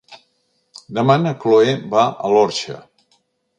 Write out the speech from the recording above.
Demà na Cloè va a l'Orxa.